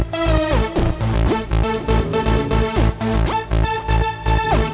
lari yang jauh